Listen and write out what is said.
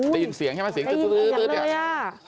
ตั้งปลา